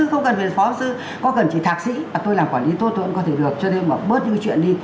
không cần về phó sư có cần chỉ thạc sĩ tôi làm quản lý tốt tôi cũng có thể được cho nên mà bớt những cái chuyện đi